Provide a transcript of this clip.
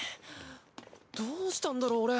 どうしたんだろう俺。